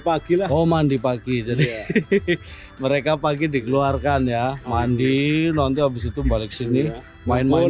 pagi lah oh mandi pagi jadi mereka pagi dikeluarkan ya mandi nanti habis itu balik sini main main